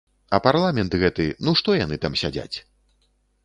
А парламент гэты, ну што яны там сядзяць?